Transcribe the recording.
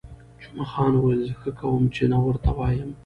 جمعه خان وویل: زه ښه کوم، چې نه ورته وایم.